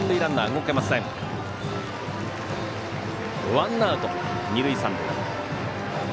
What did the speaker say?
ワンアウト、二塁三塁。